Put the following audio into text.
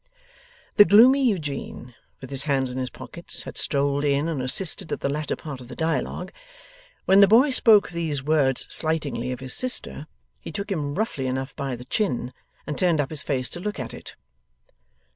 The gloomy Eugene, with his hands in his pockets, had strolled in and assisted at the latter part of the dialogue; when the boy spoke these words slightingly of his sister, he took him roughly enough by the chin, and turned up his face to look at it.